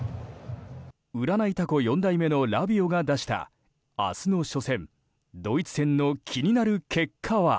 占いタコ４代目のラビオが出した明日の初戦ドイツ戦の気になる結果は？